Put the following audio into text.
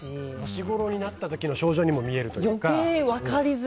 年ごろになった時の症状にも見えるというか。